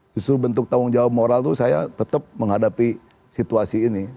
justru bentuk tanggung jawab moral itu saya tetap menghadapi situasi ini